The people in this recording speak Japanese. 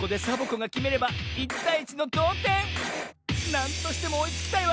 なんとしてもおいつきたいわ！